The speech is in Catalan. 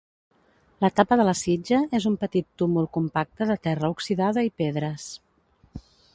La tapa de la sitja és un petit túmul compacte de terra oxidada i pedres.